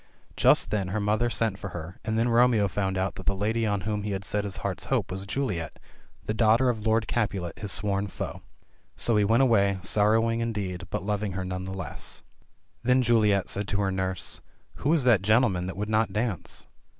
Just then her mother sent for her, and then Romeo found out that the lady on whom he had set his heart's hopes was Juliet, the daughter of Lord Capulet, his sworn foe. So he went away, sorrowing indeed, but lov ing her none the less. Then Juliet said to her nurse. "Who is that gentleman that would not dance